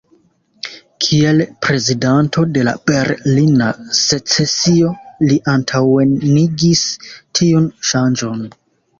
Kiel prezidanto de la Berlina secesio li antaŭenigis tiun ŝanĝon.